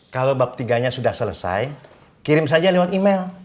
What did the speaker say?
kalau bab tiganya sudah selesai kirim saja lewat email